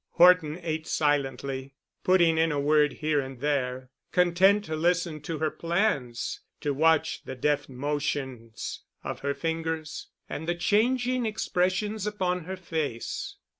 Horton ate silently, putting in a word here and there, content to listen to her plans, to watch the deft motions of her fingers and the changing expressions upon her face.